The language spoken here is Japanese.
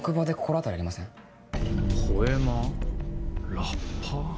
ラッパー？